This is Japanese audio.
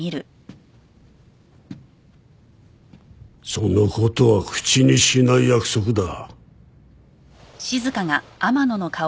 その事は口にしない約束だ。